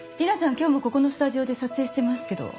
今日もここのスタジオで撮影してますけど。